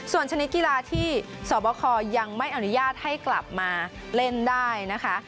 ส่วนชนิดกีฬาที่สวบคยังไม่อนุญาตให้กลับมาเล่นได้นะคะ